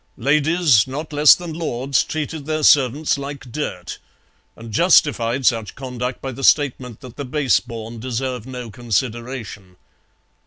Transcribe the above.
Ladies not less than lords treated their servants like dirt, and justified such conduct by the statement that the base born deserve no consideration.